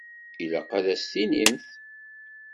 Ilaq ad as-tinimt.